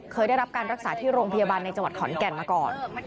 เคยได้รับการรักษาที่โรงพยาบาลในจังหวัดขอนแก่นมาก่อน